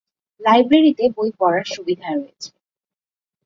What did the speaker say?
লাইব্রেরীতে বই পড়ার সুবিধা রয়েছে।